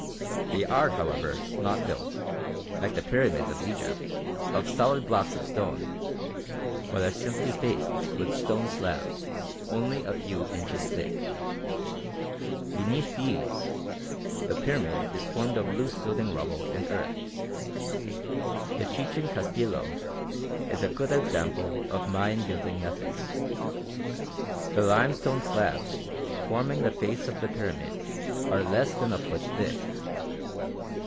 They are however not built, like the pyramids of Egypt, of solid blocks of stone, but are simply faced with stone slabs only a few inches thick. Beneath these the pyramid is formed of loose building rubble and earth. The Chichen Castillo is a good example of Mayan building methods. The limestone slabs forming the face of the pyramid are less than a foot thick.